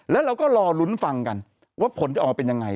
แล้วเราก็รอลุ้นฟังกันว่าผลจะออกมาเป็นยังไง